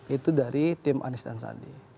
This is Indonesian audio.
itu dari tim anies dan sandi